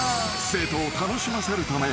［生徒を楽しませるため。